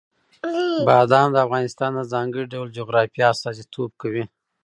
بادام د افغانستان د ځانګړي ډول جغرافیه استازیتوب کوي.